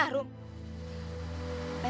nenek tahu nyai